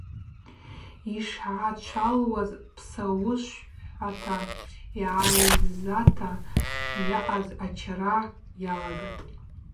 Йшгӏачӏвалуаз псауышвхӏата йгӏайззата йаъаз ачара йалагатӏ.